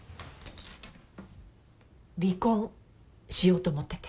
離婚しようと思ってて。